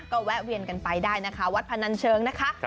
ก็แวะเวียนกันไปได้นะคะวัดพนันเชิงนะคะ